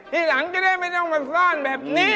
ทีหลังจะได้ไม่ต้องมาซ่อนแบบนี้